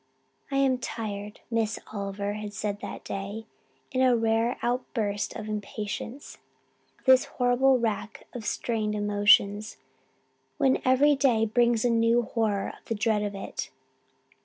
"I am tired," Miss Oliver had said that day, in a rare outburst of impatience, "of this horrible rack of strained emotions, when every day brings a new horror or the dread of it.